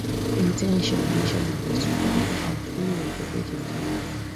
The intention initially was to find out Who are the greatest Germans?